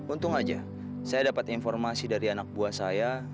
untung aja saya dapat informasi dari anak buah saya